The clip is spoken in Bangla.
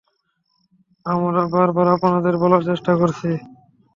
আমরা বারবার আপনাদেরকে বলার চেষ্টা করেছি!